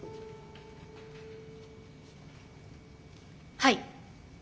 はい。